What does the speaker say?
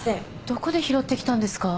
どこで拾ってきたんですか？